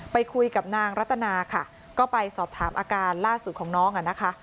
ไปคุยกับนางรัตนาค่ะก็ไปสอบถามอาการล่าสุดของน้องอ่ะนะคะ